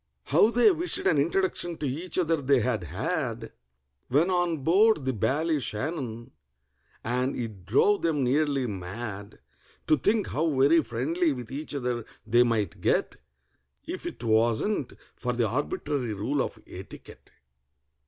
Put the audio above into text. How they wished an introduction to each other they had had When on board the Ballyshannon! And it drove them nearly mad To think how very friendly with each other they might get, If it wasn't for the arbitrary rule of etiquette!